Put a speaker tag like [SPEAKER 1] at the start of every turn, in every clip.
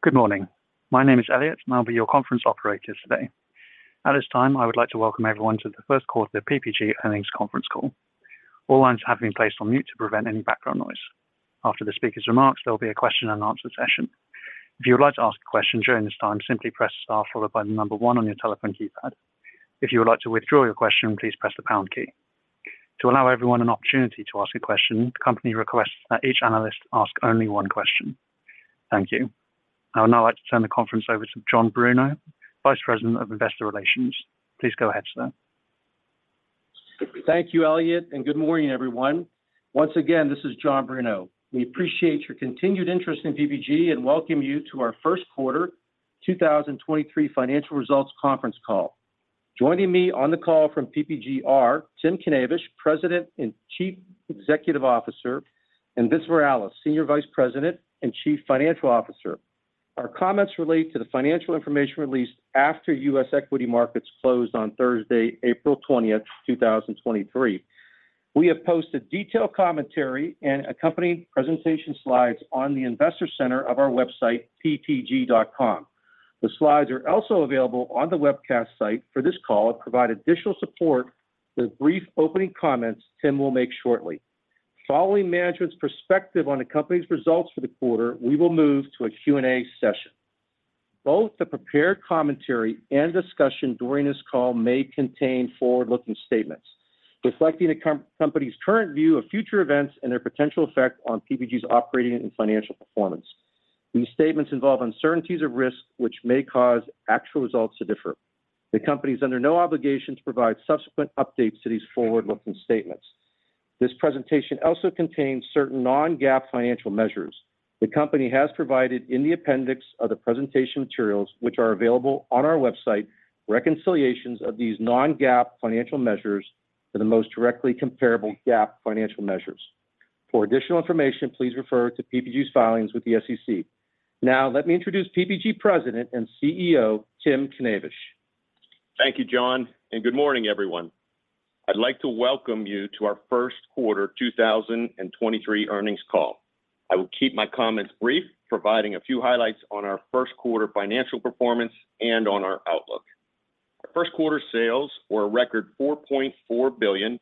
[SPEAKER 1] Good morning. My name is Elliot, and I'll be your conference operator today. At this time, I would like to welcome everyone to the First Quarter PPG Earnings Conference Call. All lines have been placed on mute to prevent any background noise. After the speaker's remarks, there will be a question and answer session. If you would like to ask a question during this time, simply press star followed by the number one on your telephone keypad. If you would like to withdraw your question, please press the pound key. To allow everyone an opportunity to ask a question, the company requests that each analyst ask only one question. Thank you. I would now like to turn the conference over to John Bruno, Vice President of Investor Relations. Please go ahead, sir.
[SPEAKER 2] Thank you, Elliot, and good morning, everyone. Once again, this is John Bruno. We appreciate your continued interest in PPG and welcome you to our First Quarter 2023 Financial Results Conference Call. Joining me on the call from PPG are Tim Knavish, President and Chief Executive Officer, and Vince Morales, Senior Vice President and Chief Financial Officer. Our comments relate to the financial information released after U.S. equity markets closed on Thursday, April 20th, 2023. We have posted detailed commentary and accompanying presentation slides on the Investor Center of our website, ppg.com. The slides are also available on the webcast site for this call and provide additional support for the brief opening comments Tim will make shortly. Following management's perspective on the company's results for the quarter, we will move to a Q&A session. Both the prepared commentary and discussion during this call may contain forward-looking statements reflecting the company's current view of future events and their potential effect on PPG's operating and financial performance. These statements involve uncertainties or risks which may cause actual results to differ. The company is under no obligation to provide subsequent updates to these forward-looking statements. This presentation also contains certain non-GAAP financial measures. The company has provided in the appendix of the presentation materials, which are available on our website, reconciliations of these non-GAAP financial measures to the most directly comparable GAAP financial measures. For additional information, please refer to PPG's filings with the SEC. Let me introduce PPG President and CEO, Tim Knavish.
[SPEAKER 3] Thank you, John, and good morning, everyone. I'd like to welcome you to our first quarter 2023 earnings call. I will keep my comments brief, providing a few highlights on our first quarter financial performance and on our outlook. Our first quarter sales were a record $4.4 billion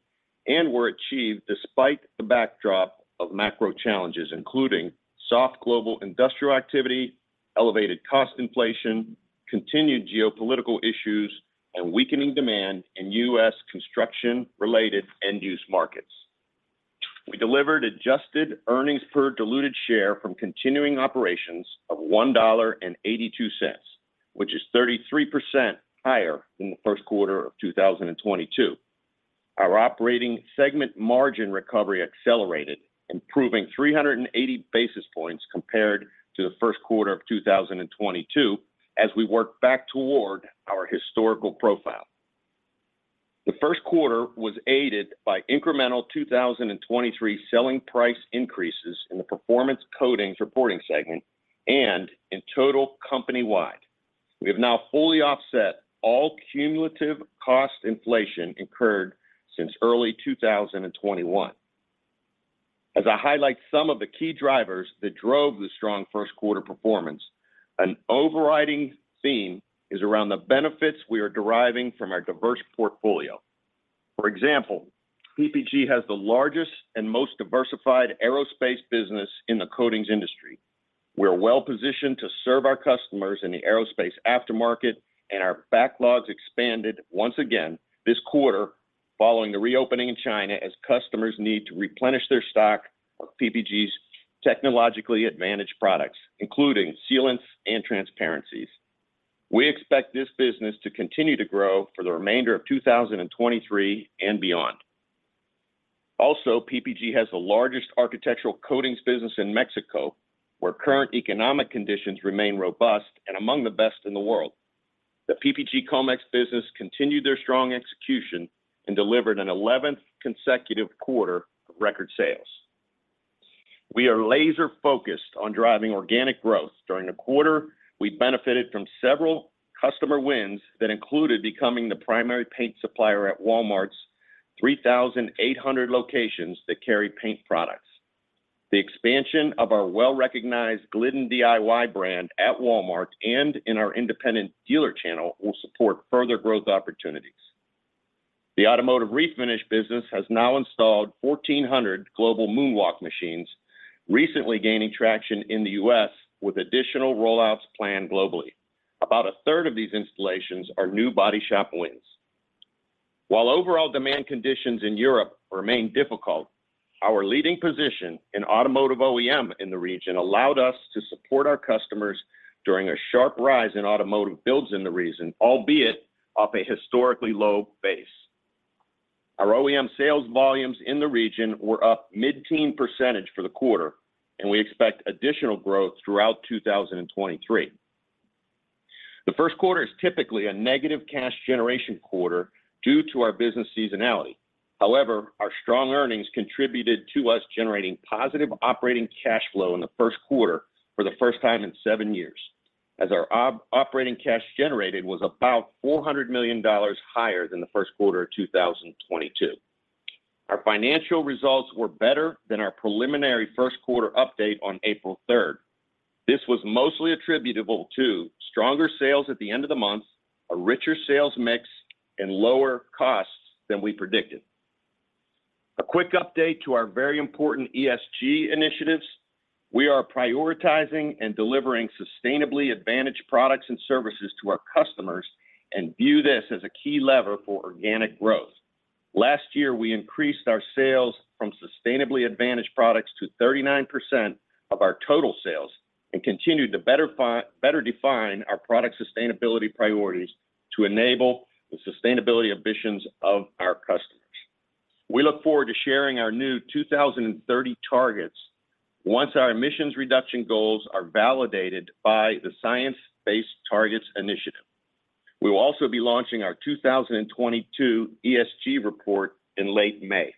[SPEAKER 3] and were achieved despite the backdrop of macro challenges, including soft global industrial activity, elevated cost inflation, continued geopolitical issues, and weakening demand in U.S. construction-related end-use markets. We delivered adjusted earnings per diluted share from continuing operations of $1.82, which is 33% higher than the first quarter of 2022. Our operating segment margin recovery accelerated, improving 380 basis points compared to the first quarter of 2022 as we work back toward our historical profile. The first quarter was aided by incremental 2023 selling price increases in the Performance Coatings reporting segment and in total company-wide. We have now fully offset all cumulative cost inflation incurred since early 2021. As I highlight some of the key drivers that drove the strong first quarter performance, an overriding theme is around the benefits we are deriving from our diverse portfolio. For example, PPG has the largest and most diversified aerospace business in the coatings industry. We are well positioned to serve our customers in the aerospace aftermarket. Our backlogs expanded once again this quarter following the reopening in China as customers need to replenish their stock of PPG's technologically advantaged products, including sealants and transparencies. We expect this business to continue to grow for the remainder of 2023 and beyond. PPG has the largest Architectural Coatings business in Mexico, where current economic conditions remain robust and among the best in the world. The PPG Comex business continued their strong execution and delivered an eleventh consecutive quarter of record sales. We are laser-focused on driving organic growth. During the quarter, we benefited from several customer wins that included becoming the primary paint supplier at Walmart's 3,800 locations that carry paint products. The expansion of our well-recognized Glidden DIY brand at Walmart and in our independent dealer channel will support further growth opportunities. The automotive refinish business has now installed 1,400 global MoonWalk machines, recently gaining traction in the U.S. with additional rollouts planned globally. About a third of these installations are new body shop wins. While overall demand conditions in Europe remain difficult, our leading position in automotive OEM in the region allowed us to support our customers during a sharp rise in automotive builds in the region, albeit off a historically low base. Our OEM sales volumes in the region were up mid-teen percentage for the quarter, and we expect additional growth throughout 2023. The first quarter is typically a negative cash generation quarter due to our business seasonality. Our strong earnings contributed to us generating positive operating cash flow in the first quarter for the first time in seven years, as our operating cash generated was about $400 million higher than the first quarter of 2022. Our financial results were better than our preliminary first quarter update on April 3rd. This was mostly attributable to stronger sales at the end of the month, a richer sales mix, and lower costs than we predicted. A quick update to our very important ESG initiatives. We are prioritizing and delivering sustainably advantaged products and services to our customers and view this as a key lever for organic growth. Last year, we increased our sales from sustainably advantaged products to 39% of our total sales and continued to better define our product sustainability priorities to enable the sustainability ambitions of our customers. We look forward to sharing our new 2030 targets once our emissions reduction goals are validated by the Science Based Targets initiative. We will also be launching our 2022 ESG report in late May,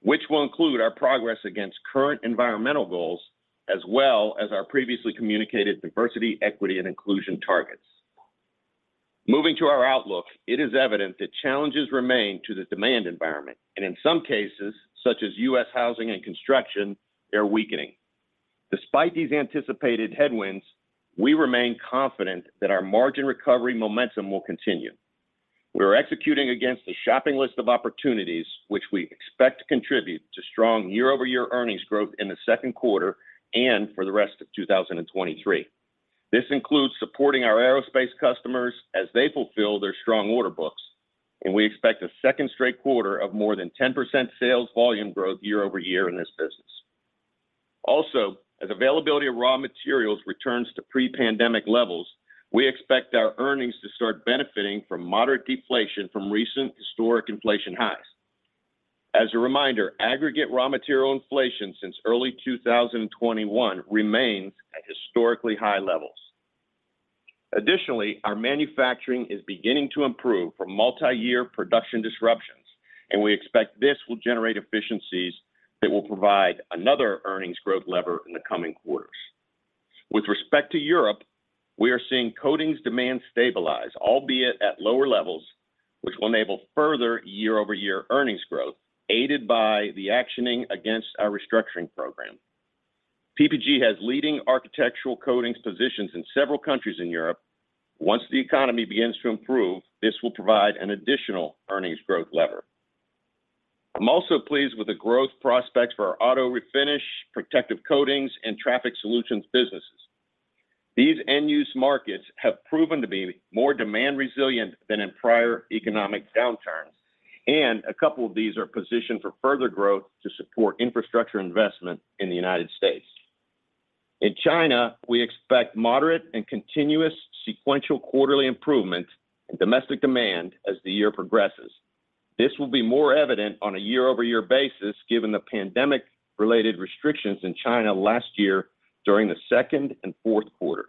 [SPEAKER 3] which will include our progress against current environmental goals as well as our previously communicated diversity, equity, and inclusion targets. Moving to our outlook, it is evident that challenges remain to the demand environment, and in some cases, such as U.S. housing and construction, they are weakening. Despite these anticipated headwinds, we remain confident that our margin recovery momentum will continue. We are executing against a shopping list of opportunities which we expect to contribute to strong year-over-year earnings growth in the second quarter and for the rest of 2023. This includes supporting our aerospace customers as they fulfill their strong order books, and we expect a second straight quarter of more than 10% sales volume growth year-over-year in this business. As availability of raw materials returns to pre-pandemic levels, we expect our earnings to start benefiting from moderate deflation from recent historic inflation highs. As a reminder, aggregate raw material inflation since early 2021 remains at historically high levels. Our manufacturing is beginning to improve from multiyear production disruptions, and we expect this will generate efficiencies that will provide another earnings growth lever in the coming quarters. With respect to Europe, we are seeing coatings demand stabilize, albeit at lower levels, which will enable further year-over-year earnings growth, aided by the actioning against our restructuring program. PPG has leading Architectural Coatings positions in several countries in Europe. Once the economy begins to improve, this will provide an additional earnings growth lever. I'm also pleased with the growth prospects for our auto refinish, protective coatings, and Traffic Solutions businesses. These end-use markets have proven to be more demand resilient than in prior economic downturns, and a couple of these are positioned for further growth to support infrastructure investment in the United States. In China, we expect moderate and continuous sequential quarterly improvement in domestic demand as the year progresses. This will be more evident on a year-over-year basis given the pandemic-related restrictions in China last year during the second and fourth quarters.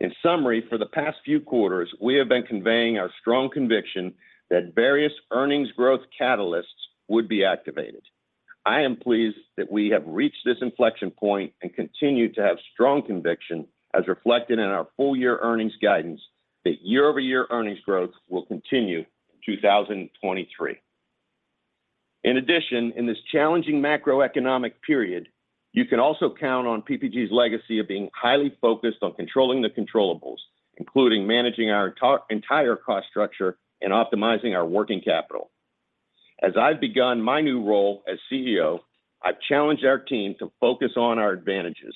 [SPEAKER 3] In summary, for the past few quarters, we have been conveying our strong conviction that various earnings growth catalysts would be activated. I am pleased that we have reached this inflection point and continue to have strong conviction as reflected in our full year earnings guidance that year-over-year earnings growth will continue in 2023. In addition, in this challenging macroeconomic period, you can also count on PPG's legacy of being highly focused on controlling the controllables, including managing our entire cost structure and optimizing our working capital. As I've begun my new role as CEO, I've challenged our team to focus on our advantages,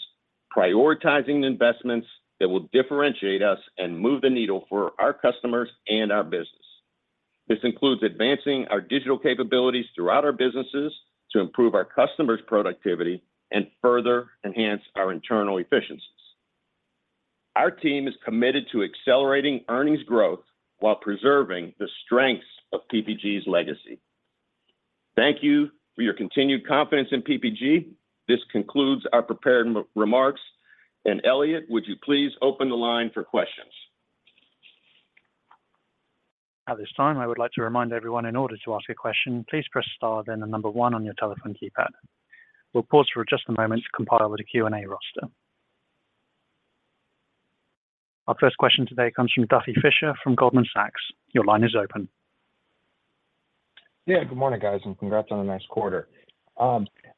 [SPEAKER 3] prioritizing the investments that will differentiate us and move the needle for our customers and our business. This includes advancing our digital capabilities throughout our businesses to improve our customers' productivity and further enhance our internal efficiencies. Our team is committed to accelerating earnings growth while preserving the strengths of PPG's legacy. Thank you for your continued confidence in PPG. This concludes our prepared remarks. Elliot, would you please open the line for questions?
[SPEAKER 1] At this time, I would like to remind everyone in order to ask a question, please press star, then the number one on your telephone keypad. We'll pause for just a moment to compile the Q&A roster. Our first question today comes from Duffy Fischer from Goldman Sachs. Your line is open.
[SPEAKER 4] Yeah. Good morning, guys, and congrats on a nice quarter.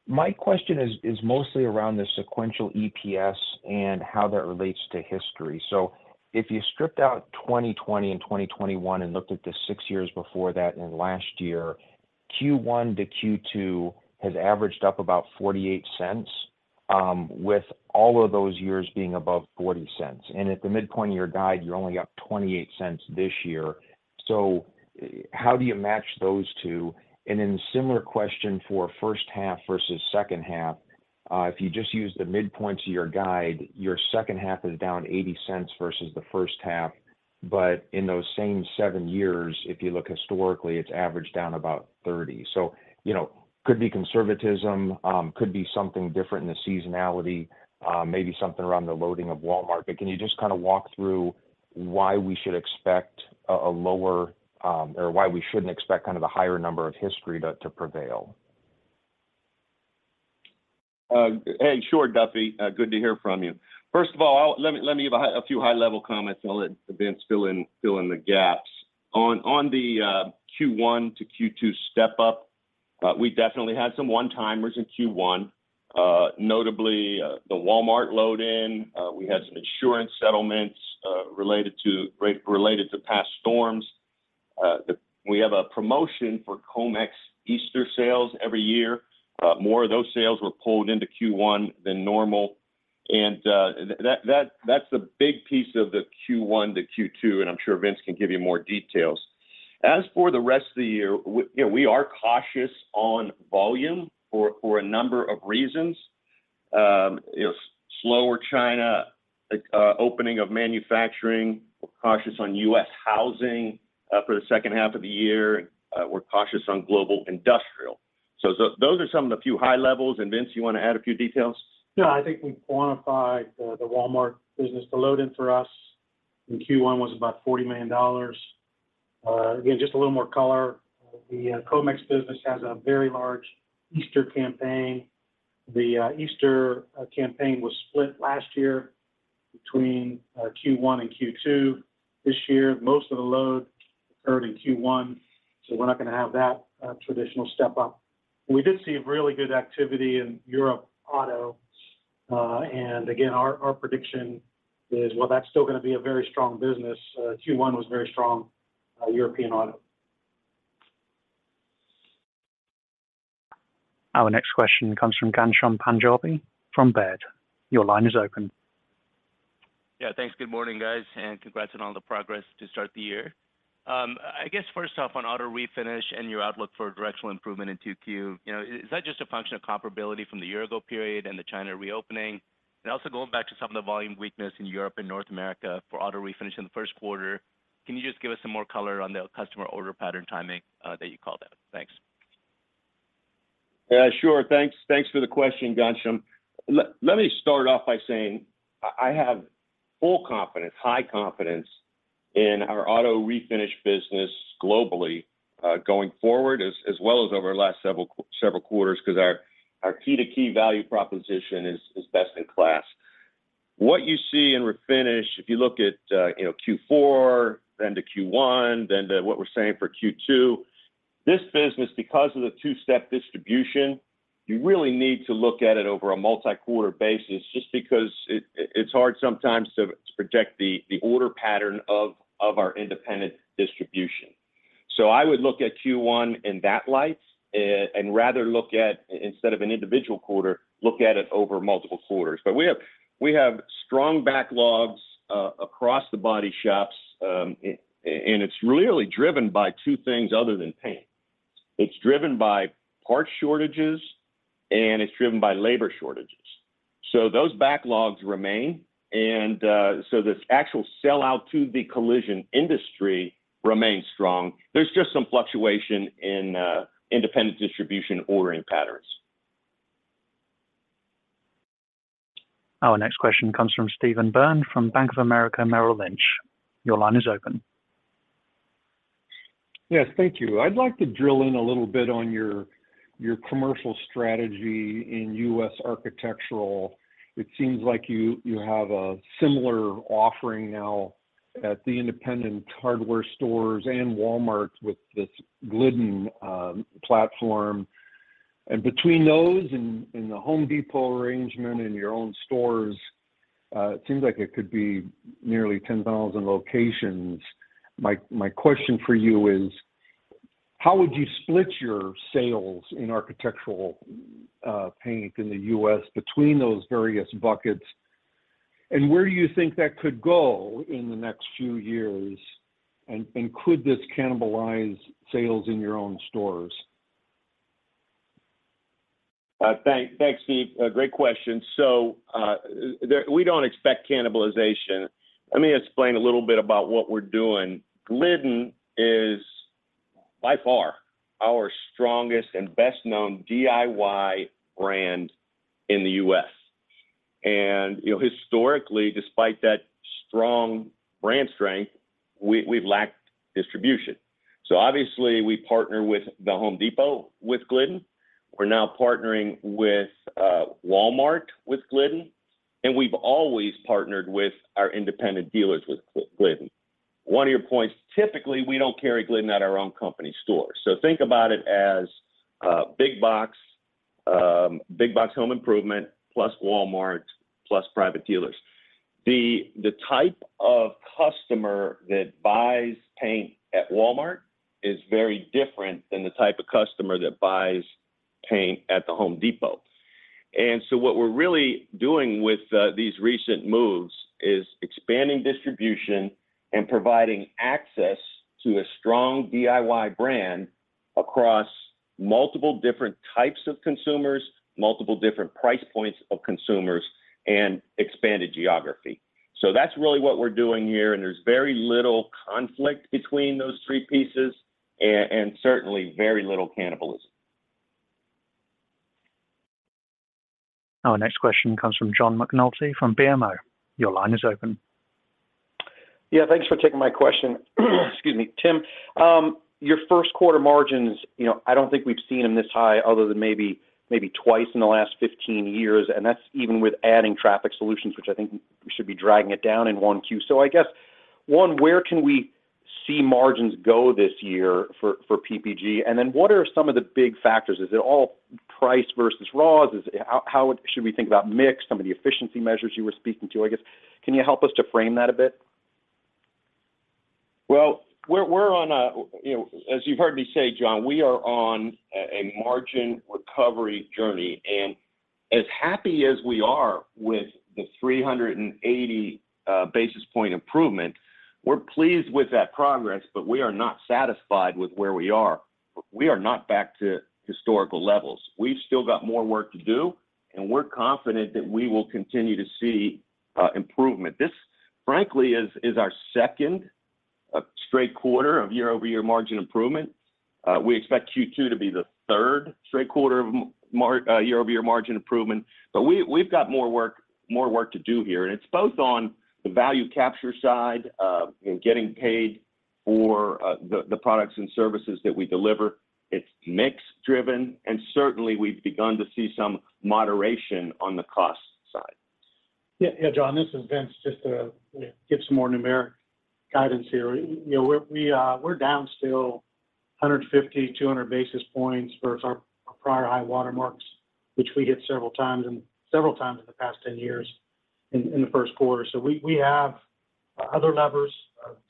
[SPEAKER 4] My question is mostly around the sequential EPS and how that relates to history. If you stripped out 2020 and 2021 and looked at the 6 years before that and last year, Q1 to Q2 has averaged up about $0.48, with all of those years being above $0.40. At the midpoint of your guide, you're only up $0.28 this year. How do you match those two? Then similar question for first half versus second half. If you just use the midpoint to your guide, your second half is down $0.80 versus the first half. In those same 7 years, if you look historically, it's averaged down about $0.30. You know, could be conservatism, could be something different in the seasonality, maybe something around the loading of Walmart. Can you just kind of walk through why we should expect a lower, or why we shouldn't expect kind of the higher number of history to prevail?
[SPEAKER 3] Hey, sure, Duffy. Good to hear from you. First of all, let me give a few high-level comments, and I'll let Vince fill in the gaps. On the Q1 to Q2 step up, we definitely had some one-timers in Q1, notably, the Walmart load-in. We had some insurance settlements related to past storms. We have a promotion for Comex Easter sales every year. More of those sales were pulled into Q1 than normal, and that's a big piece of the Q1 to Q2, and I'm sure Vince can give you more details. As for the rest of the year, we, you know, we are cautious on volume for a number of reasons. You know, slower China opening of manufacturing. We're cautious on U.S. housing, for the second half of the year. We're cautious on global industrial. Those are some of the few high levels. Vince, you wanna add a few details?
[SPEAKER 5] No, I think we quantified the Walmart business. The load-in for us in Q1 was about $40 million. Again, just a little more color. The Comex business has a very large Easter campaign. The Easter campaign was split last year between Q1 and Q2. This year, most of the load occurred in Q1, so we're not gonna have that traditional step up. We did see really good activity in Europe auto. Again, our prediction is, while that's still gonna be a very strong business, Q1 was very strong, European auto.
[SPEAKER 1] Our next question comes from Ghansham Panjabi from Baird. Your line is open.
[SPEAKER 6] Yeah, thanks. Good morning, guys, and congrats on all the progress to start the year. I guess first off, on auto refinish and your outlook for directional improvement in 2Q, you know, is that just a function of comparability from the year ago period and the China reopening? Also going back to some of the volume weakness in Europe and North America for auto refinish in the first quarter, can you just give us some more color on the customer order pattern timing, that you called out? Thanks.
[SPEAKER 3] Yeah, sure. Thanks. Thanks for the question, Ghansham. Let me start off by saying I have full confidence, high confidence in our auto refinish business globally, going forward as well as over the last several quarters 'cause our key-to-key value proposition is best in class. What you see in refinish, if you look at, you know, Q4, then to Q1, then to what we're saying for Q2, this business, because of the two-step distribution, you really need to look at it over a multi-quarter basis just because it's hard sometimes to project the order pattern of our independent distribution. I would look at Q1 in that light, and rather look at, instead of an individual quarter, look at it over multiple quarters. We have strong backlogs across the body shops and it's really driven by two things other than paint. It's driven by part shortages, and it's driven by labor shortages. Those backlogs remain. This actual sell out to the collision industry remains strong. There's just some fluctuation in independent distribution ordering patterns.
[SPEAKER 1] Our next question comes from Stephen Byrne from Bank of America Merrill Lynch. Your line is open.
[SPEAKER 7] Yes, thank you. I'd like to drill in a little bit on your commercial strategy in U.S. architectural. It seems like you have a similar offering now at the independent hardware stores and Walmart with this Glidden platform. And between those and The Home Depot arrangement and your own stores, it seems like it could be nearly 10,000 locations. My question for you is: How would you split your sales in architectural paint in the U.S. between those various buckets, and where do you think that could go in the next few years, and could this cannibalize sales in your own stores?
[SPEAKER 3] Thanks, Steve. A great question. We don't expect cannibalization. Let me explain a little bit about what we're doing. Glidden is by far our strongest and best known DIY brand in the U.S. You know, historically, despite that strong brand strength, we've lacked distribution. Obviously, we partner with The Home Depot with Glidden. We're now partnering with Walmart with Glidden, and we've always partnered with our independent dealers with Glidden. One of your points, typically, we don't carry Glidden at our own company stores. Think about it as big box, big box home improvement plus Walmart plus private dealers. The type of customer that buys paint at Walmart is very different than the type of customer that buys paint at The Home Depot. What we're really doing with these recent moves is expanding distribution and providing access to a strong DIY brand across multiple different types of consumers, multiple different price points of consumers, and expanded geography. That's really what we're doing here, and there's very little conflict between those three pieces and certainly very little cannibalism.
[SPEAKER 1] Our next question comes from John McNulty from BMO. Your line is open.
[SPEAKER 8] Thanks for taking my question. Excuse me. Tim, your first quarter margins, you know, I don't think we've seen them this high other than maybe twice in the last 15 years, and that's even with adding Traffic Solutions, which I think should be dragging it down in 1Q. I guess, one, where can we see margins go this year for PPG? What are some of the big factors? Is it all price versus raws? How should we think about mix, some of the efficiency measures you were speaking to, I guess? Can you help us to frame that a bit?
[SPEAKER 3] Well, you know, as you've heard me say, John, we are on a margin recovery journey. As happy as we are with the 380 basis point improvement, we're pleased with that progress, but we are not satisfied with where we are. We are not back to historical levels. We've still got more work to do, and we're confident that we will continue to see improvement. This, frankly, is our second straight quarter of year-over-year margin improvement. We expect Q2 to be the third straight quarter of year-over-year margin improvement. We've got more work to do here, and it's both on the value capture side of getting paid for the products and services that we deliver. It's mix driven, and certainly we've begun to see some moderation on the cost side.
[SPEAKER 5] Yeah. John, this is Vince. Just to, you know, give some more numeric guidance here. You know, we're down still 150-200 basis points versus our prior high water marks, which we hit several times in the past 10 years in the first quarter. We have other levers.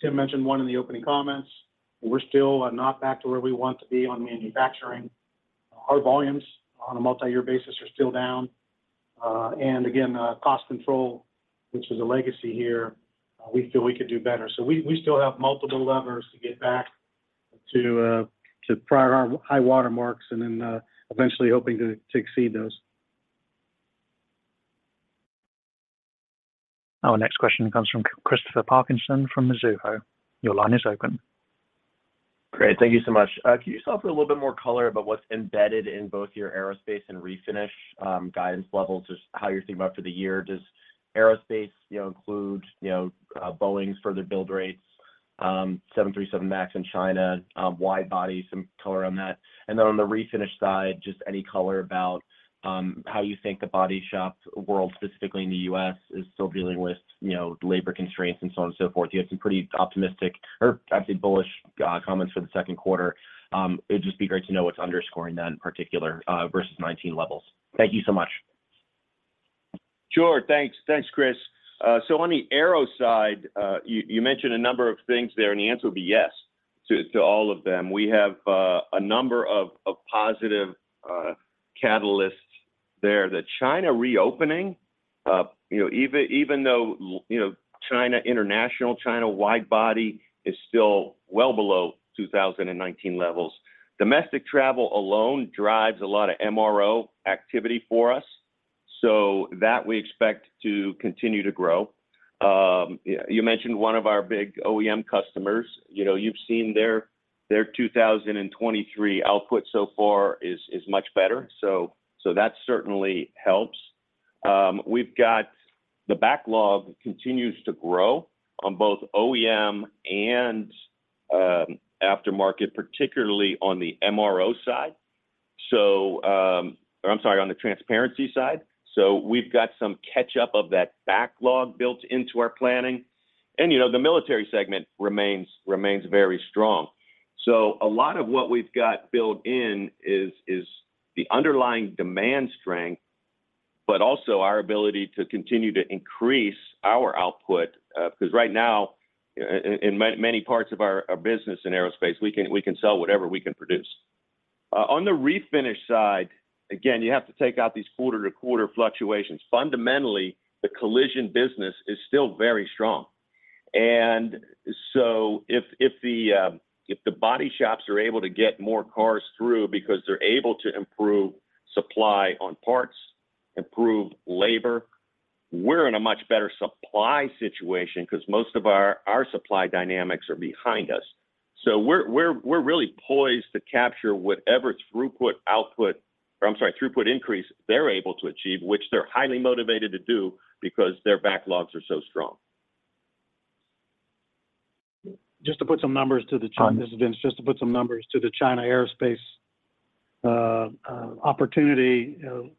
[SPEAKER 5] Tim mentioned one in the opening comments. We're still not back to where we want to be on manufacturing. Our volumes on a multi-year basis are still down. Again, cost control, which is a legacy here, we feel we could do better. We still have multiple levers to get back to prior high water marks and then, eventually hoping to exceed those.
[SPEAKER 1] Our next question comes from Christopher Parkinson from Mizuho. Your line is open.
[SPEAKER 9] Great. Thank you so much. Can you just offer a little bit more color about what's embedded in both your aerospace and refinish guidance levels? Just how you're thinking about for the year. Does aerospace, you know, include Boeing's further build rates, 737 MAX in China, wide body, some color on that. On the refinish side, just any color about how you think the body shop world, specifically in the U.S., is still dealing with, you know, labor constraints and so on and so forth. You have some pretty optimistic, or I'd say bullish, comments for the second quarter. It'd just be great to know what's underscoring that in particular versus 2019 levels. Thank you so much.
[SPEAKER 3] Sure. Thanks. Thanks, Chris. So on the aero side, you mentioned a number of things there, the answer would be yes to all of them. We have a number of positive catalysts there. The China reopening, you know, even though, you know, China international, China wide body is still well below 2019 levels, domestic travel alone drives a lot of MRO activity for us, that we expect to continue to grow. You mentioned one of our big OEM customers. You know, you've seen their 2023 output so far is much better. That certainly helps. We've got the backlog continues to grow on both OEM and aftermarket, particularly on the MRO side. Or I'm sorry, on the transparency side. We've got some catch-up of that backlog built into our planning. You know, the military segment remains very strong. A lot of what we've got built in is the underlying demand strength, but also our ability to continue to increase our output, because right now in many parts of our business in aerospace, we can sell whatever we can produce. On the refinish side, again, you have to take out these quarter-to-quarter fluctuations. Fundamentally, the collision business is still very strong. If the body shops are able to get more cars through because they're able to improve supply on parts, improve labor, we're in a much better supply situation because most of our supply dynamics are behind us. We're really poised to capture whatever throughput increase they're able to achieve, which they're highly motivated to do because their backlogs are so strong.
[SPEAKER 5] Just to put some numbers to the.
[SPEAKER 3] Uh-huh.
[SPEAKER 5] This is Vince. Just to put some numbers to the China aerospace opportunity. You know,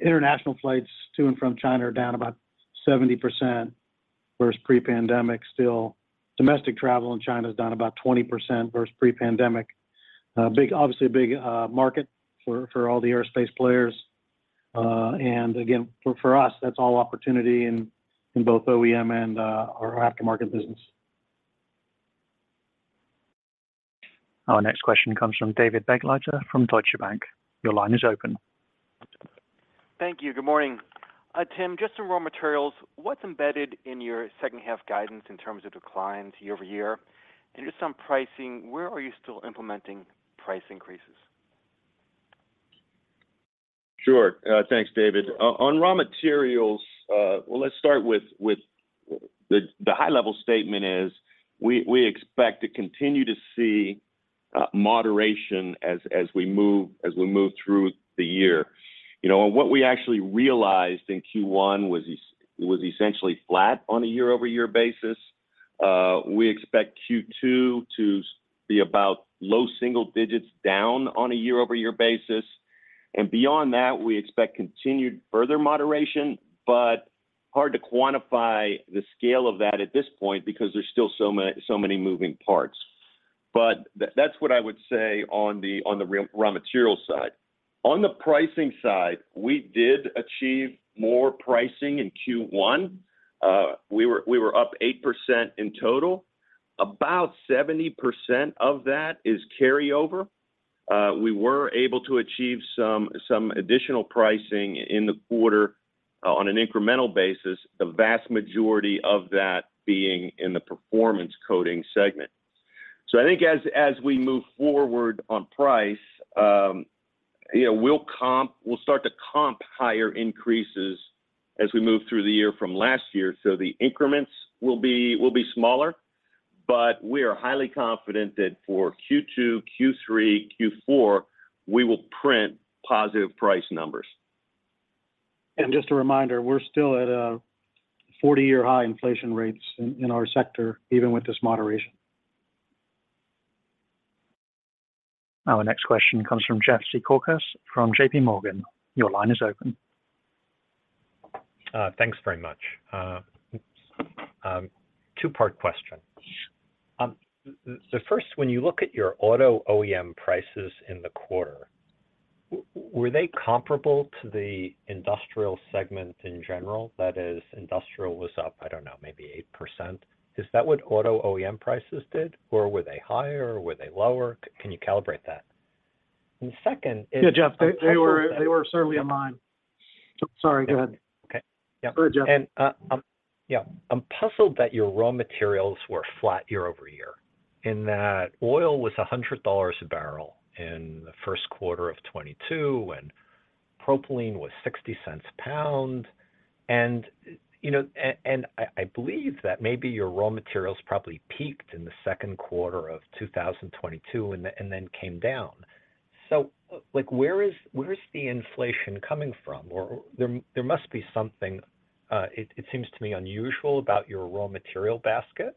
[SPEAKER 5] international flights to and from China are down about 70% versus pre-pandemic still. Domestic travel in China is down about 20% versus pre-pandemic. Obviously a big market for all the aerospace players. Again, for us, that's all opportunity in both OEM and our aftermarket business.
[SPEAKER 1] Our next question comes from David Begleiter from Deutsche Bank. Your line is open.
[SPEAKER 10] Thank you. Good morning. Tim, just some raw materials. What's embedded in your second half guidance in terms of declines year-over-year? Just on pricing, where are you still implementing price increases?
[SPEAKER 3] Sure. Thanks, David. On raw materials, well, let's start with the high level statement is we expect to continue to see moderation as we move through the year. You know, what we actually realized in Q1 was essentially flat on a year-over-year basis. We expect Q2 to be about low single digits down on a year-over-year basis. Beyond that, we expect continued further moderation, but hard to quantify the scale of that at this point because there's still so many moving parts. That's what I would say on the raw material side. On the pricing side, we did achieve more pricing in Q1. We were up 8% in total. About 70% of that is carryover. We were able to achieve some additional pricing in the quarter on an incremental basis, the vast majority of that being in the Performance Coatings segment. I think as we move forward on price, you know, we'll start to comp higher increases as we move through the year from last year. The increments will be smaller, but we are highly confident that for Q2, Q3, Q4, we will print positive price numbers.
[SPEAKER 5] Just a reminder, we're still at a 40-year high inflation rates in our sector, even with this moderation.
[SPEAKER 1] Our next question comes from Jeff Zekauskas from J.P. Morgan. Your line is open.
[SPEAKER 11] Thanks very much. Two-part question. The first, when you look at your auto OEM prices in the quarter, were they comparable to the industrial segment in general? That is, industrial was up, I don't know, maybe 8%. Is that what auto OEM prices did? Or were they higher, or were they lower? Can you calibrate that? Second is-
[SPEAKER 5] Yeah, Jeff, they were certainly in line. Sorry, go ahead.
[SPEAKER 11] Okay. Yeah.
[SPEAKER 5] Go ahead, Jeff.
[SPEAKER 11] Yeah. I'm puzzled that your raw materials were flat year-over-year, in that oil was $100 a barrel in the first quarter of 2022, and propylene was $0.60 a pound. You know, and I believe that maybe your raw materials probably peaked in the second quarter of 2022, and then came down. Like, where is, where is the inflation coming from? There must be something, it seems to me unusual about your raw material basket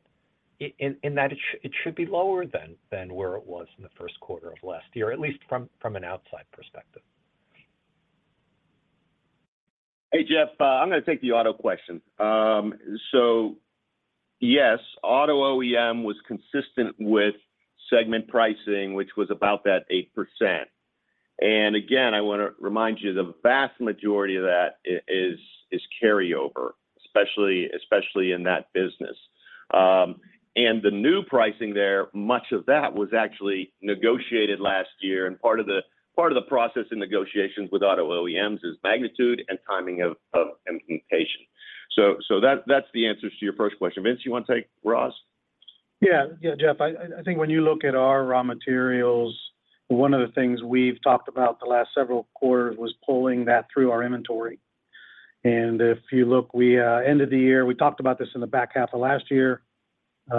[SPEAKER 11] in that it should be lower than where it was in the first quarter of last year, at least from an outside perspective.
[SPEAKER 3] Hey, Jeff, I'm gonna take the auto question. Yes, auto OEM was consistent with segment pricing, which was about that 8%. Again, I wanna remind you, the vast majority of that is carryover, especially in that business. The new pricing there, much of that was actually negotiated last year, and part of the process in negotiations with auto OEMs is magnitude and timing of implementation. That's the answers to your first question. Vince, you wanna take raws?
[SPEAKER 5] Yeah, Jeff, I think when you look at our raw materials, one of the things we've talked about the last several quarters was pulling that through our inventory. If you look, we talked about this in the back half of last year.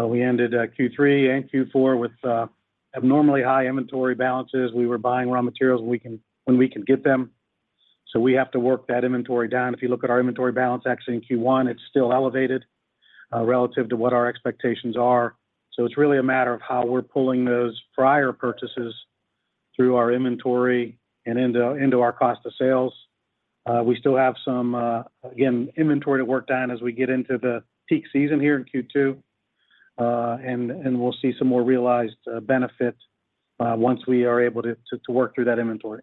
[SPEAKER 5] We ended Q3 and Q4 with abnormally high inventory balances. We were buying raw materials when we could get them. We have to work that inventory down. If you look at our inventory balance actually in Q1, it's still elevated relative to what our expectations are. It's really a matter of how we're pulling those prior purchases through our inventory and into our cost of sales. We still have some again, inventory to work down as we get into the peak season here in Q2. We'll see some more realized benefit once we are able to work through that inventory.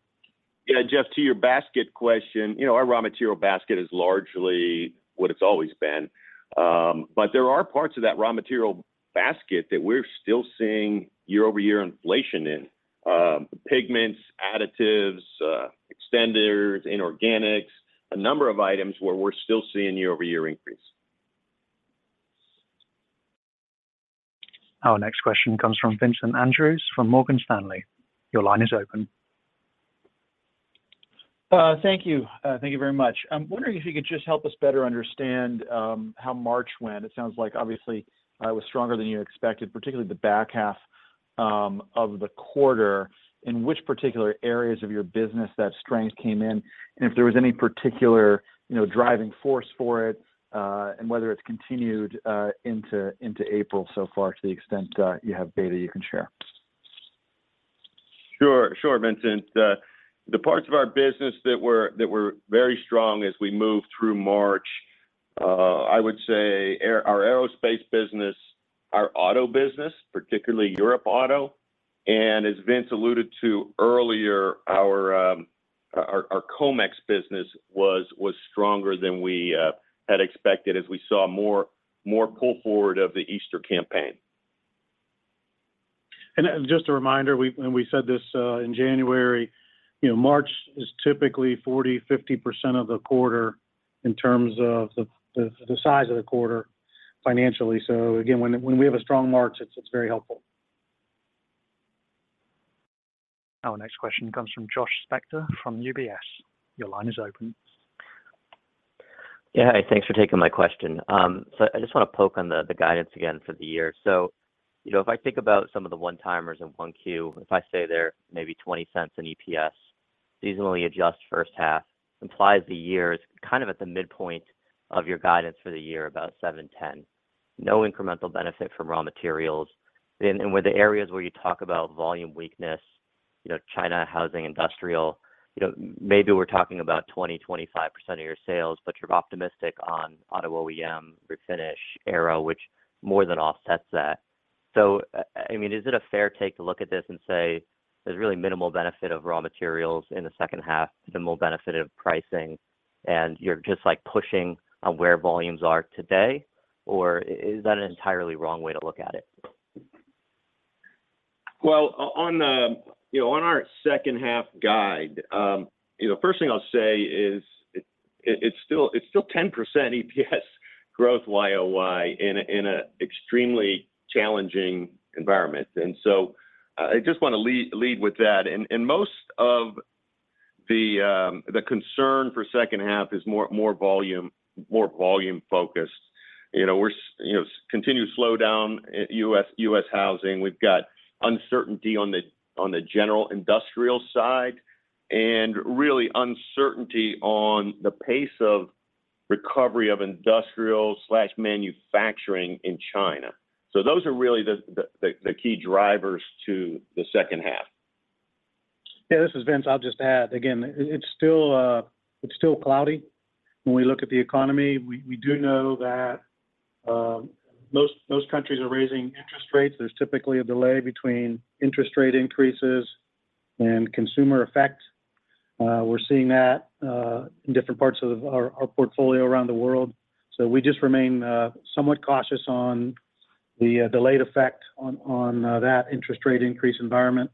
[SPEAKER 3] Yeah, Jeff, to your basket question, you know, our raw material basket is largely what it's always been. There are parts of that raw material basket that we're still seeing year-over-year inflation in. Pigments, additives, extenders, inorganics, a number of items where we're still seeing year-over-year increase.
[SPEAKER 1] Our next question comes from Vincent Andrews from Morgan Stanley. Your line is open.
[SPEAKER 12] Thank you. Thank you very much. I'm wondering if you could just help us better understand how March went. It sounds like obviously, it was stronger than you expected, particularly the back half of the quarter, in which particular areas of your business that strength came in, and if there was any particular, you know, driving force for it, and whether it's continued into April so far to the extent you have data you can share.
[SPEAKER 3] Sure, Vincent. The parts of our business that were very strong as we moved through March, I would say our aerospace business, our auto business, particularly Europe auto, and as Vince alluded to earlier, our Comex business was stronger than we had expected as we saw more pull forward of the Easter campaign.
[SPEAKER 5] just a reminder, and we said this in January, you know, March is typically 40%, 50% of the quarter in terms of the size of the quarter financially. again, when we have a strong March, it's very helpful.
[SPEAKER 1] Our next question comes from Josh Spector from UBS. Your line is open.
[SPEAKER 13] Yeah. Hey, thanks for taking my question. I just wanna poke on the guidance again for the year. You know, if I think about some of the one-timers in 1Q, if I say they're maybe $0.20 in EPS, seasonally adjust first half, implies the year is kind of at the midpoint of your guidance for the year, about $7.10. No incremental benefit from raw materials. With the areas where you talk about volume weakness, you know, China, housing, industrial, you know, maybe we're talking about 20%-25% of your sales, but you're optimistic on auto OEM, refinish, aero, which more than offsets that. I mean, is it a fair take to look at this and say there's really minimal benefit of raw materials in the second half, minimal benefit of pricing, and you're just, like, pushing on where volumes are today? Or is that an entirely wrong way to look at it?
[SPEAKER 3] Well, on our second half guide, first thing I'll say is it's still 10% EPS growth YoY in an extremely challenging environment. I just wanna lead with that. Most of the concern for second half is more volume focused. We're continued slowdown U.S. housing. We've got uncertainty on the general industrial side, and really uncertainty on the pace of recovery of industrial/manufacturing in China. Those are really the key drivers to the second half.
[SPEAKER 5] Yeah, this is Vince. I'll just add, again, it's still cloudy when we look at the economy. We do know that most countries are raising interest rates. There's typically a delay between interest rate increases and consumer effect. We're seeing that in different parts of our portfolio around the world. We just remain somewhat cautious on the delayed effect on that interest rate increase environment.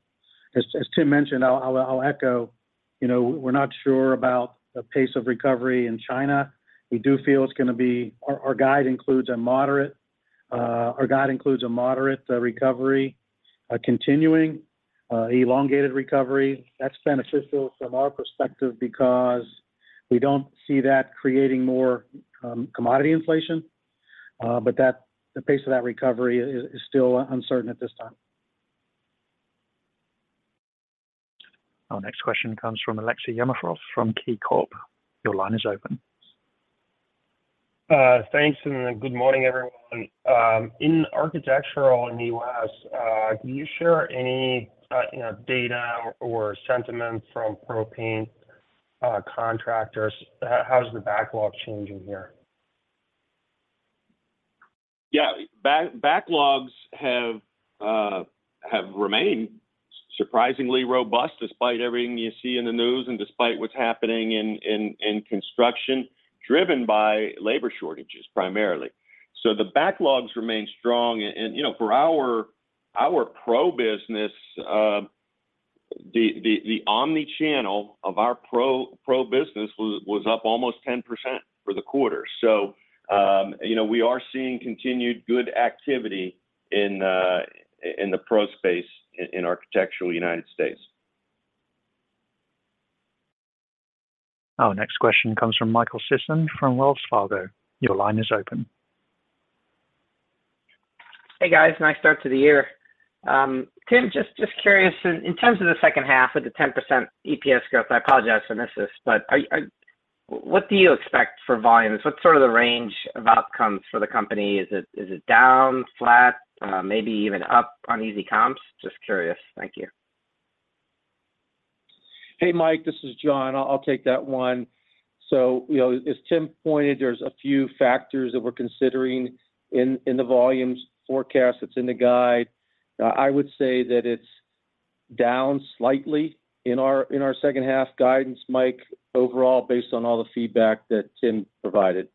[SPEAKER 5] As Tim mentioned, I'll echo, you know, we're not sure about the pace of recovery in China. We do feel Our guide includes a moderate recovery, a continuing, elongated recovery. That's beneficial from our perspective because we don't see that creating more commodity inflation. That, the pace of that recovery is still uncertain at this time.
[SPEAKER 1] Our next question comes from Aleksey Yefremov from KeyCorp. Your line is open.
[SPEAKER 14] Thanks, good morning, everyone. In architectural in the U.S., can you share any, you know, data or sentiment from pro paint, contractors? How is the backlog changing here?
[SPEAKER 3] Backlogs have remained surprisingly robust despite everything you see in the news and despite what's happening in construction, driven by labor shortages primarily. The backlogs remain strong. you know, for our pro business, the omni-channel of our pro business was up almost 10% for the quarter. you know, we are seeing continued good activity in the pro space in architectural United States.
[SPEAKER 1] Our next question comes from Michael Sison from Wells Fargo. Your line is open.
[SPEAKER 15] Hey, guys. Nice start to the year. Tim, just curious. In terms of the second half with the 10% EPS growth, I apologize if I missed this, but what do you expect for volumes? What's sort of the range of outcomes for the company? Is it down, flat, maybe even up on easy comps? Just curious. Thank you.
[SPEAKER 2] Hey, Mike, this is John. I'll take that one. You know, as Tim pointed, there's a few factors that we're considering in the volumes forecast that's in the guide. I would say that it's down slightly in our 2nd half guidance, Mike, overall, based on all the feedback that Tim provided.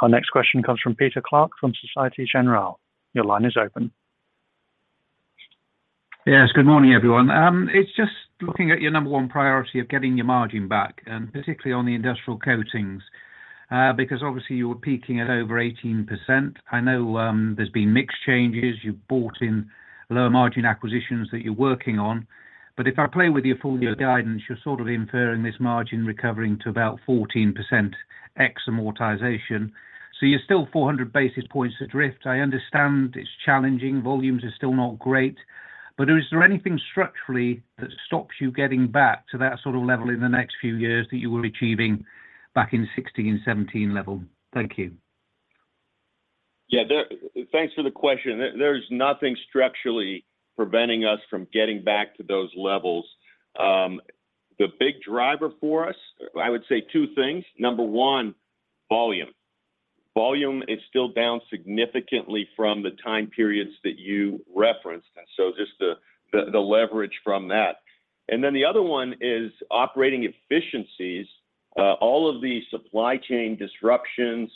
[SPEAKER 1] Our next question comes from Peter Clark from Société Générale. Your line is open.
[SPEAKER 16] Yes. Good morning, everyone. It's just looking at your number one priority of getting your margin back, and particularly on the Industrial Coatings, because obviously you were peaking at over 18%. I know, there's been mix changes. You've bought in lower margin acquisitions that you're working on. If I play with your full year guidance, you're sort of inferring this margin recovering to about 14% ex amortization. You're still 400 basis points adrift. I understand it's challenging. Volumes are still not great. Is there anything structurally that stops you getting back to that sort of level in the next few years that you were achieving back in 2016 and 2017 level? Thank you.
[SPEAKER 3] Thanks for the question. There's nothing structurally preventing us from getting back to those levels. The big driver for us, I would say two things. Number one, volume. Volume is still down significantly from the time periods that you referenced, just the leverage from that. The other one is operating efficiencies. All of the supply chain disruptions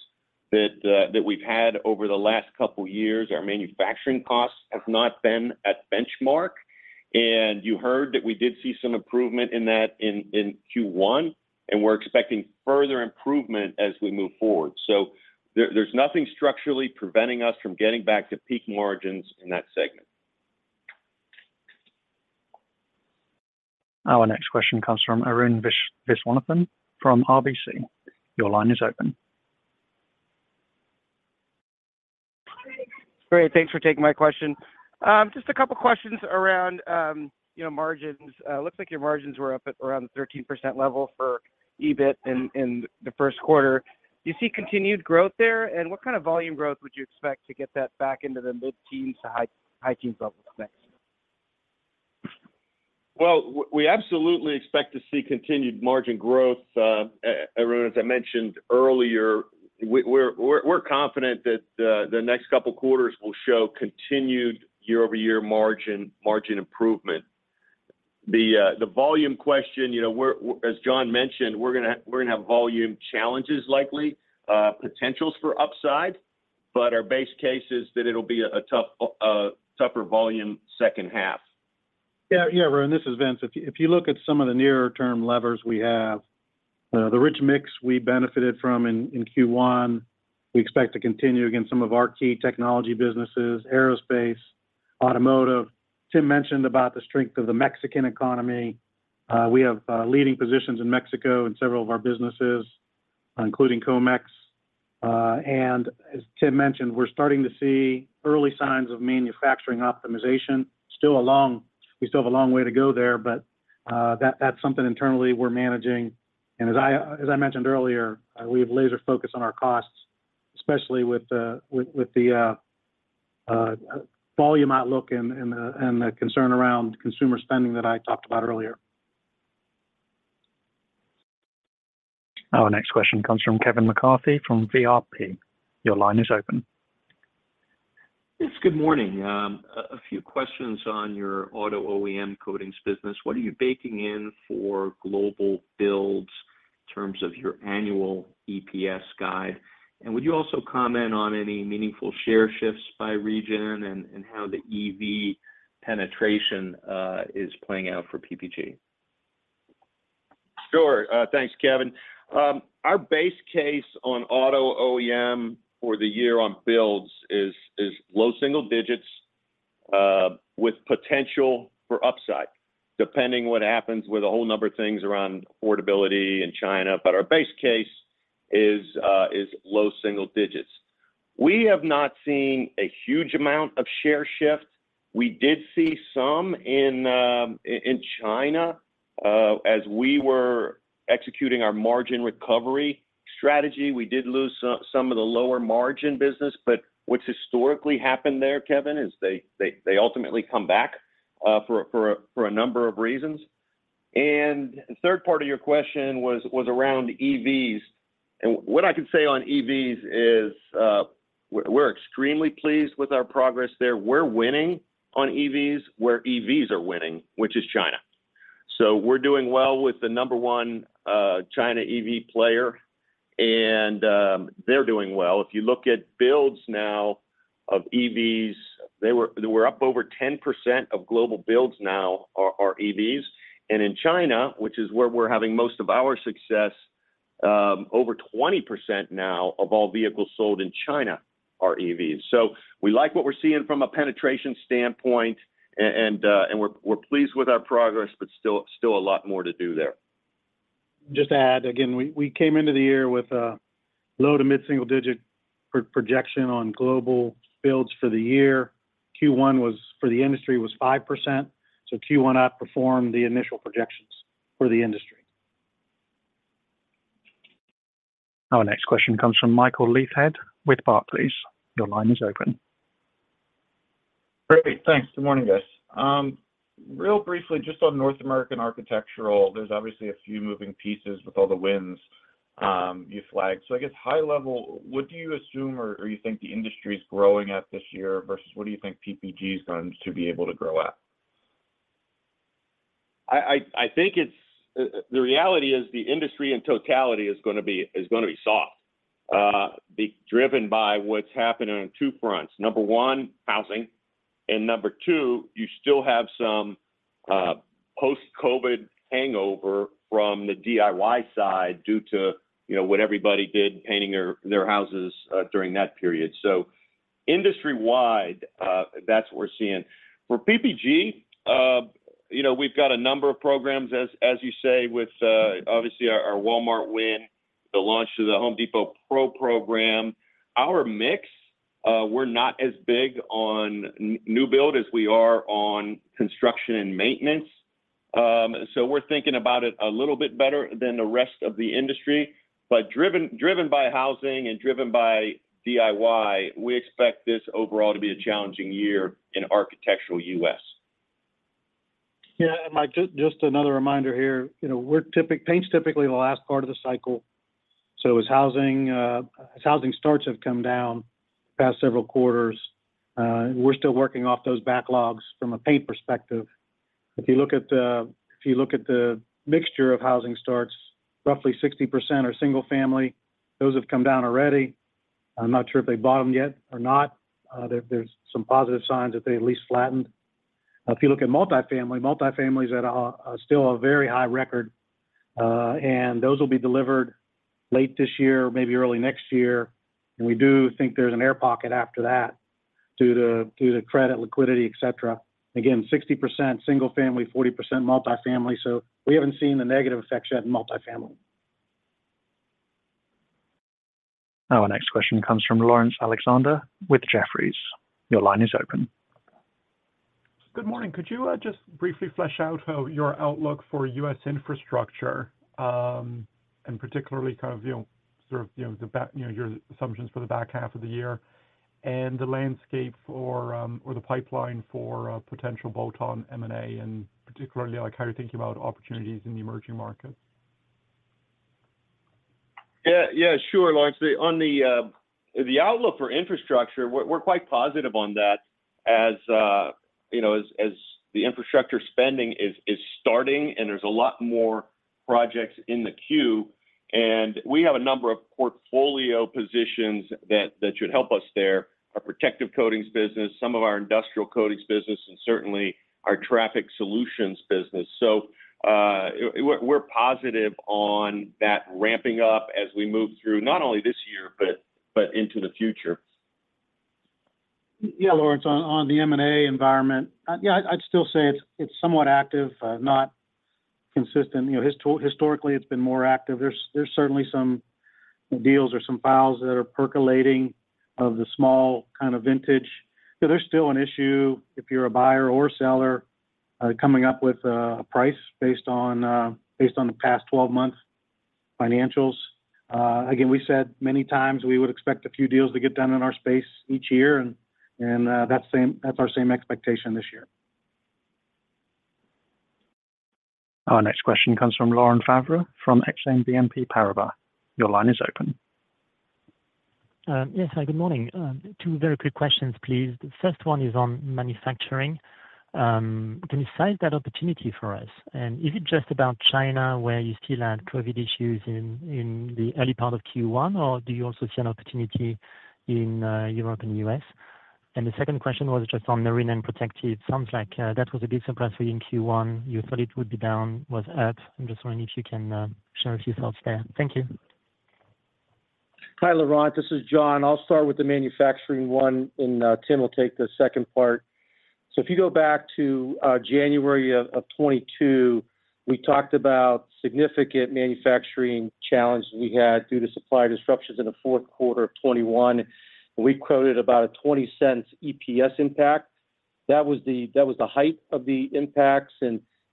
[SPEAKER 3] that we've had over the last couple years, our manufacturing costs have not been at benchmark, you heard that we did see some improvement in that in Q1, we're expecting further improvement as we move forward. There's nothing structurally preventing us from getting back to peaking margins in that segment.
[SPEAKER 1] Our next question comes from Arun Viswanathan from RBC. Your line is open.
[SPEAKER 17] Great. Thanks for taking my question. Just a couple questions around, you know, margins. Looks like your margins were up at around 13% level for EBIT in the first quarter. Do you see continued growth there? What kind of volume growth would you expect to get that back into the mid-teens to high-teens levels next?
[SPEAKER 3] We absolutely expect to see continued margin growth. Arun, as I mentioned earlier, we're confident that the next couple quarters will show continued year-over-year margin improvement. The volume question, you know, As John mentioned, we're gonna have volume challenges likely, potentials for upside, but our base case is that it'll be a tough, tougher volume second half.
[SPEAKER 5] Yeah. Yeah, Arun, this is Vince. If you look at some of the nearer term levers we have, the rich mix we benefited from in Q1, we expect to continue against some of our key technology businesses, aerospace, automotive. Tim mentioned about the strength of the Mexican economy. We have leading positions in Mexico in several of our businesses, including Comex. As Tim mentioned, we're starting to see early signs of manufacturing optimization. We still have a long way to go there, but that's something internally we're managing. As I mentioned earlier, we have laser focus on our costs, especially with the volume outlook and the concern around consumer spending that I talked about earlier.
[SPEAKER 1] Our next question comes from Kevin McCarthy from VRP. Your line is open.
[SPEAKER 18] Yes. Good morning. A few questions on your auto OEM coatings business. What are you baking in for global builds in terms of your annual EPS guide? Would you also comment on any meaningful share shifts by region and how the EV penetration is playing out for PPG?
[SPEAKER 3] Sure. Thanks, Kevin. Our base case on auto OEM for the year on builds is low single digits, with potential for upside, depending what happens with a whole number of things around affordability in China. But our base case is low single digits. We have not seen a huge amount of share shift. We did see some in China. As we were executing our margin recovery strategy, we did lose some of the lower margin business. But what's historically happened there, Kevin, is they ultimately come back for a number of reasons. The third part of your question was around EVs. What I can say on EVs is we're extremely pleased with our progress there. We're winning on EVs, where EVs are winning, which is China. We're doing well with the number one China EV player, and they're doing well. If you look at builds now of EVs, we're up over 10% of global builds now are EVs. In China, which is where we're having most of our success, over 20% now of all vehicles sold in China are EVs. We like what we're seeing from a penetration standpoint, and we're pleased with our progress, but still a lot more to do there.
[SPEAKER 5] To add, again, we came into the year with a low to mid-single digit projection on global builds for the year. Q1 was, for the industry, was 5%, Q1 outperformed the initial projections for the industry.
[SPEAKER 1] Our next question comes from Michael Leithead with Barclays. Your line is open.
[SPEAKER 19] Great. Thanks. Good morning, guys. Real briefly, just on North American Architectural, there's obviously a few moving pieces with all the wins you flagged. I guess high level, what do you assume or you think the industry's growing at this year versus what do you think PPG is going to be able to grow at?
[SPEAKER 3] I think it's. The reality is the industry in totality is gonna be soft, driven by what's happening on 2 fronts: number 1, housing, and number 2, you still have some post-COVID hangover from the DIY side due to, you know, what everybody did painting their houses during that period. Industry-wide, that's what we're seeing. For PPG, you know, we've got a number of programs as you say, with obviously our Walmart win, the launch of The Home Depot Pro program. Our mix, we're not as big on new build as we are on construction and maintenance. We're thinking about it a little bit better than the rest of the industry. Driven by housing and driven by DIY, we expect this overall to be a challenging year in Architectural U.S.
[SPEAKER 5] Yeah. Mike, just another reminder here. You know, Paint's typically the last part of the cycle. As housing starts have come down the past several quarters, we're still working off those backlogs from a paint perspective. If you look at the mixture of housing starts, roughly 60% are single family. Those have come down already. I'm not sure if they bought them yet or not. There's some positive signs that they at least flattened. If you look at multifamily is at a still a very high record. Those will be delivered late this year, maybe early next year. We do think there's an air pocket after that due to credit liquidity, et cetera. Again, 60% single family, 40% multifamily. We haven't seen the negative effects yet in multifamily.
[SPEAKER 1] Our next question comes from Laurence Alexander with Jefferies. Your line is open.
[SPEAKER 20] Good morning. Could you just briefly flesh out how your outlook for U.S. infrastructure, and particularly kind of, you know, sort of, you know, your assumptions for the back half of the year and the landscape for or the pipeline for potential bolt-on M&A, and particularly like how you're thinking about opportunities in the emerging markets?
[SPEAKER 3] Yeah. Yeah. Sure, Laurence. On the outlook for infrastructure, we're quite positive on that as, you know, as the infrastructure spending is starting and there's a lot more projects in the queue. We have a number of portfolio positions that should help us there. Our Protective Coatings business, some of our Industrial Coatings business, and certainly our Traffic Solutions business. We're positive on that ramping up as we move through not only this year, but into the future.
[SPEAKER 5] Yeah, Laurence, on the M&A environment, I'd still say it's somewhat active, not consistent. You know, historically, it's been more active. There's certainly some deals or some files that are percolating of the small kind of vintage. So there's still an issue if you're a buyer or seller, coming up with a price based on based on the past 12 months financials. Again, we said many times we would expect a few deals to get done in our space each year, and that's our same expectation this year.
[SPEAKER 1] Our next question comes from Laurent Favre from Exane BNP Paribas. Your line is open.
[SPEAKER 21] Yes. Hi, good morning. Two very quick questions, please. The first one is on manufacturing. Can you size that opportunity for us? Is it just about China, where you still have COVID issues in the early part of Q1, or do you also see an opportunity in Europe and U.S.? The second question was just on Marine and Protective. Sounds like that was a big surprise for you in Q1. You thought it would be down, was up. I'm just wondering if you can share a few thoughts there. Thank you.
[SPEAKER 2] Hi, Laurent. This is John. I'll start with the manufacturing one, and Tim will take the second part. If you go back to January of 2022, we talked about significant manufacturing challenges we had due to supply disruptions in the fourth quarter of 2021. We quoted about a $0.20 EPS impact. That was the height of the impacts.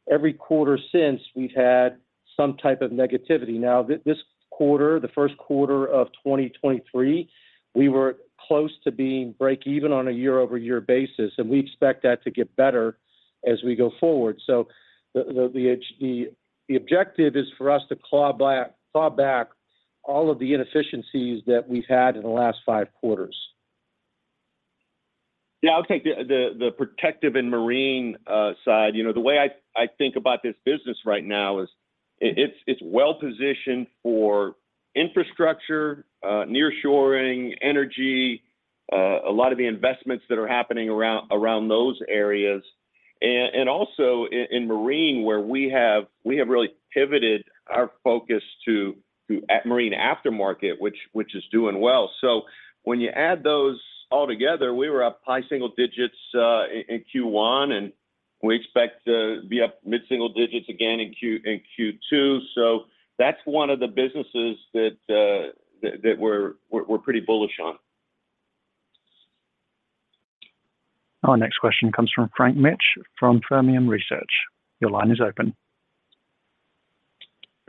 [SPEAKER 2] Every quarter since, we've had some type of negativity. This quarter, the first quarter of 2023, we were close to being break even on a year-over-year basis, and we expect that to get better as we go forward. The objective is for us to claw back all of the inefficiencies that we've had in the last five quarters.
[SPEAKER 3] Yeah. I'll take the Protective and Marine side. You know, the way I think about this business right now is it's well-positioned for infrastructure, nearshoring, energy, a lot of the investments that are happening around those areas. Also in Marine, where we have really pivoted our focus to a Marine aftermarket, which is doing well. When you add those all together, we were up high single digits in Q1, and we expect to be up mid-single digits again in Q2. That's one of the businesses that we're pretty bullish on.
[SPEAKER 1] Our next question comes from Frank Mitsch from Fermium Research. Your line is open.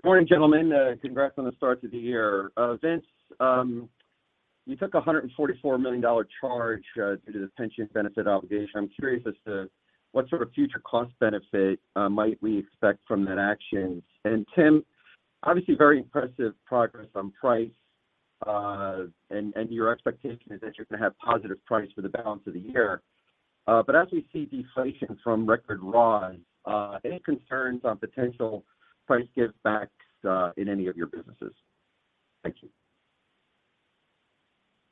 [SPEAKER 22] Good morning, gentlemen. Congrats on the start to the year. Vince, you took a $144 million charge due to the pension benefit obligation. I'm curious as to what sort of future cost benefit might we expect from that action? Tim, obviously, very impressive progress on price, and your expectation is that you're gonna have positive price for the balance of the year. As we see deflation from record raw, any concerns on potential price give backs in any of your businesses? Thank you.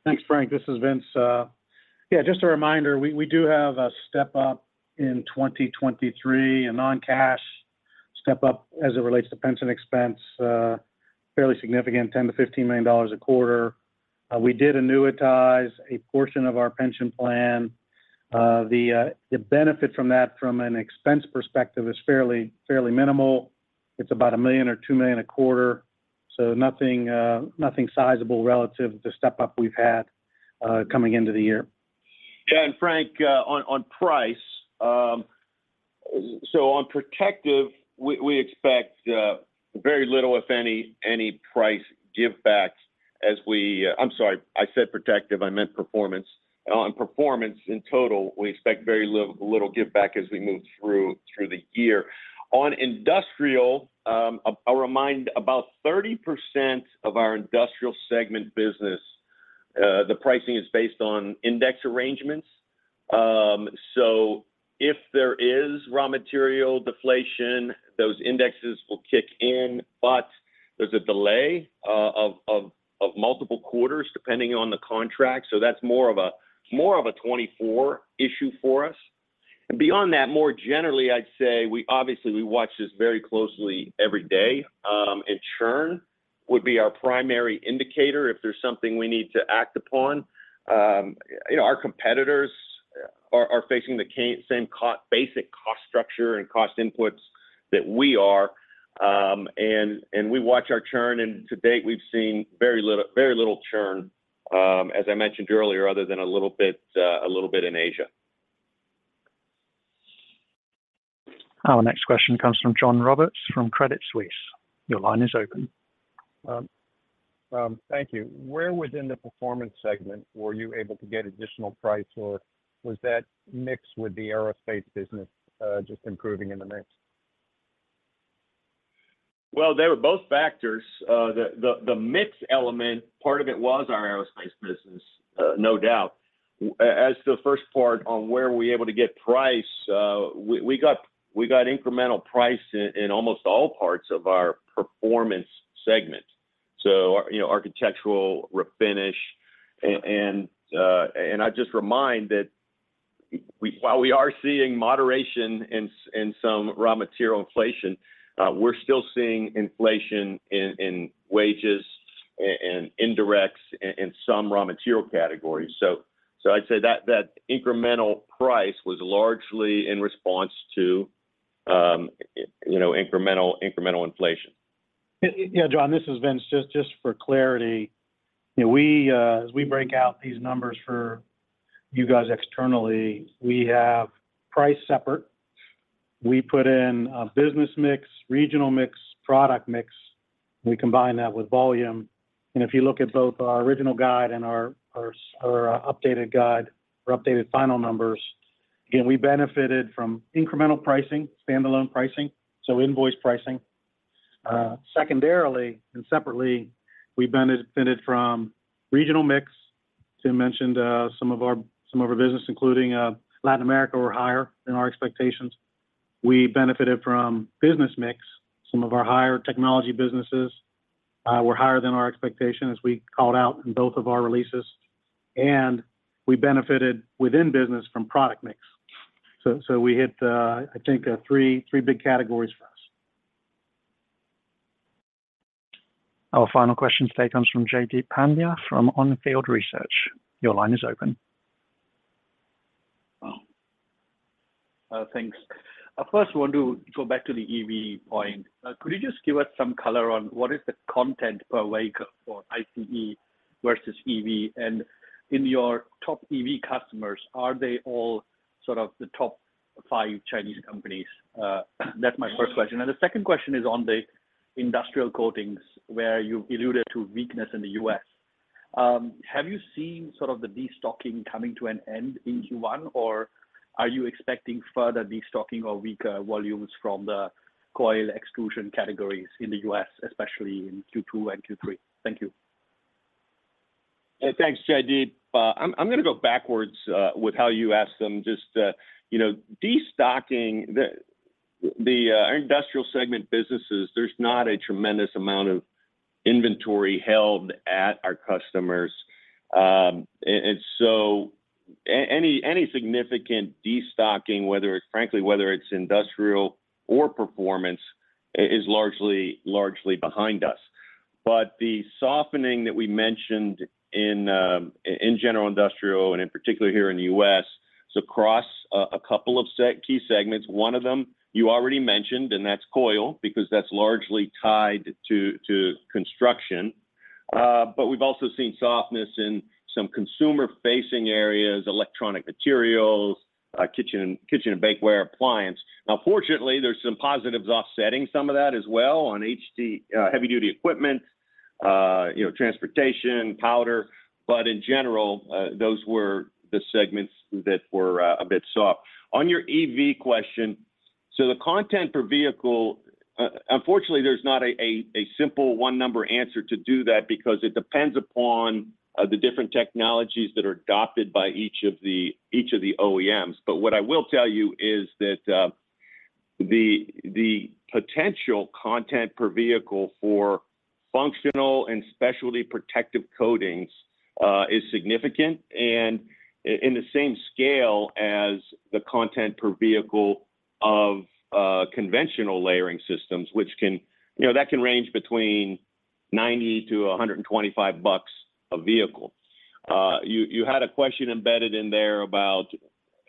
[SPEAKER 5] Thanks, Frank. This is Vince. Yeah, just a reminder, we do have a step-up in 2023, a non-cash step-up as it relates to pension expense. Fairly significant, $10 million-$15 million a quarter. We did annuitize a portion of our pension plan. The benefit from that from an expense perspective is fairly minimal. It's about $1 million or $2 million a quarter, so nothing sizable relative to the step-up we've had coming into the year.
[SPEAKER 3] Yeah. Frank, on price, so on Protective, we expect very little, if any price give backs as we... I'm sorry, I said Protective, I meant Performance. On Performance in total, we expect very little give back as we move through the year. On Industrial, about 30% of our Industrial segment business, the pricing is based on index arrangements. If there is raw material deflation, those indexes will kick in. There's a delay of multiple quarters depending on the contract, so that's more of a 2024 issue for us. Beyond that, more generally, I'd say obviously, we watch this very closely every day, and churn would be our primary indicator if there's something we need to act upon. you know, our competitors are facing the same basic cost structure and cost inputs that we are. We watch our churn, and to date, we've seen very little churn, as I mentioned earlier, other than a little bit, a little bit in Asia.
[SPEAKER 1] Our next question comes from John Roberts from Credit Suisse. Your line is open.
[SPEAKER 23] Thank you. Where within the Performance segment were you able to get additional price, or was that mixed with the Aerospace business, just improving in the mix?
[SPEAKER 3] Well, they were both factors. The mix element, part of it was our aerospace business, no doubt. As to the first part on where were we able to get price, we got incremental price in almost all parts of our Performance Segment, you know, Architectural refinish. And I just remind that while we are seeing moderation in some raw material inflation, we're still seeing inflation in wages and indirects in some raw material categories. I'd say that incremental price was largely in response to, you know, incremental inflation.
[SPEAKER 5] Yeah, John, this is Vince. Just for clarity, you know, we, as we break out these numbers for you guys externally, we have priced separate. We put in a business mix, regional mix, product mix, and we combine that with volume. If you look at both our original guide and our updated guide or updated final numbers, again, we benefited from incremental pricing, standalone pricing, so invoice pricing. Secondarily and separately, we benefited from regional mix. Tim mentioned, some of our business, including Latin America, were higher than our expectations. We benefited from business mix. Some of our higher technology businesses, were higher than our expectation, as we called out in both of our releases. We benefited within business from product mix. We hit, I think, three big categories for us.
[SPEAKER 1] Our final question today comes from Jaideep Pandya from On Field Investment Research. Your line is open.
[SPEAKER 24] Thanks. First want to go back to the EV point. Could you just give us some color on what is the content per vehicle for ICE versus EV? In your top EV customers, are they all sort of the top five Chinese companies? That's my first question. The second question is on the Industrial Coatings, where you alluded to weakness in the U.S. Have you seen sort of the destocking coming to an end in Q1, or are you expecting further destocking or weaker volumes from the coil exclusion categories in the U.S., especially in Q2 and Q3? Thank you.
[SPEAKER 3] Thanks, Jaideep. I'm gonna go backwards with how you asked them. You know, destocking the Industrial segment businesses, there's not a tremendous amount of inventory held at our customers. Any significant destocking, whether it's frankly Industrial or Performance is largely behind us. The softening that we mentioned in general Industrial and in particular here in the U.S. is across a couple of key segments. One of them you already mentioned, and that's coil because that's largely tied to construction. But we've also seen softness in some consumer-facing areas, Electronic Materials, kitchen and bakeware, appliance. Now fortunately, there's some positives offsetting some of that as well on HD, heavy-duty equipment, transportation, powder. In general, those were the segments that were a bit soft. On your EV question, the content per vehicle, unfortunately, there's not a simple one number answer to do that because it depends upon the different technologies that are adopted by each of the OEMs. What I will tell you is that the potential content per vehicle for functional and specialty protective coatings is significant and in the same scale as the content per vehicle of conventional layering systems, which can... You know, that can range between $90-$125 a vehicle. You had a question embedded in there about,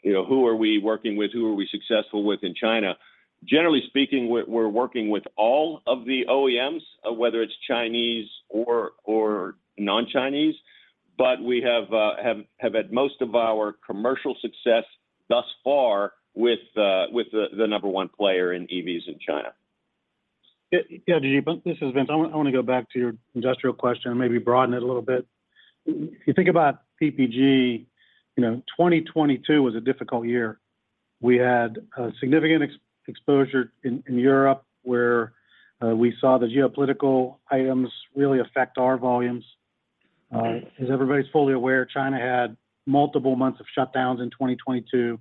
[SPEAKER 3] you know, who are we working with, who are we successful with in China. Generally speaking, we're working with all of the OEMs, whether it's Chinese or non-Chinese, but we have had most of our commercial success thus far with the number one player in EVs in China.
[SPEAKER 5] Yeah, Jaideep, this is Vince. I wanna go back to your industrial question and maybe broaden it a little bit. If you think about PPG, you know, 2022 was a difficult year. We had a significant ex-exposure in Europe, where we saw the geopolitical items really affect our volumes. As everybody's fully aware, China had multiple months of shutdowns in 2022,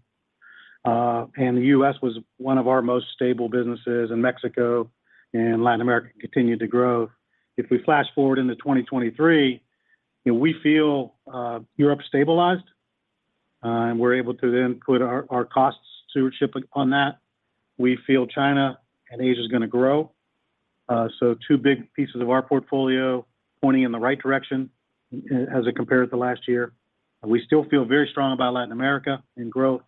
[SPEAKER 5] and the U.S. was one of our most stable businesses, and Mexico and Latin America continued to grow. If we flash forward into 2023, you know, we feel Europe stabilized, and we're able to then put our costs to ship on that. We feel China and Asia's gonna grow. Two big pieces of our portfolio pointing in the right direction as it compare to last year. We still feel very strong about Latin America and growth.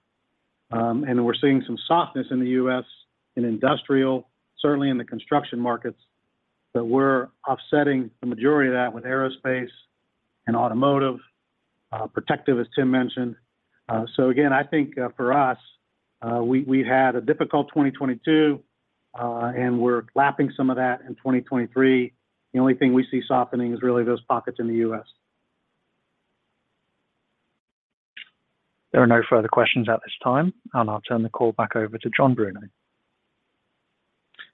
[SPEAKER 5] We're seeing some softness in the U.S. in industrial, certainly in the construction markets, but we're offsetting the majority of that with aerospace and automotive, protective, as Tim mentioned. Again, I think, for us, we had a difficult 2022, and we're lapping some of that in 2023. The only thing we see softening is really those pockets in the U.S.
[SPEAKER 1] There are no further questions at this time, and I'll turn the call back over to John Bruno.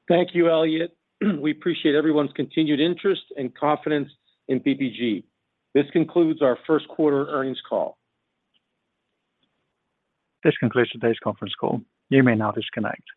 [SPEAKER 2] Thank you, Elliot. We appreciate everyone's continued interest and confidence in PPG. This concludes our first quarter earnings call.
[SPEAKER 1] This concludes today's conference call. You may now disconnect.